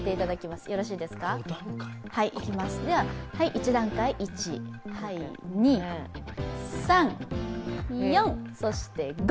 １段階、１、２、３、４そして５。